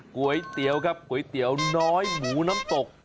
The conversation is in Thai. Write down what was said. ก๋วยเตี๋ยวครับก๋วยเตี๋ยวน้อยหมูน้ำตก